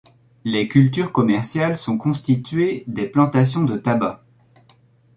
Les cultures commerciales sont constituées des plantations de tabac.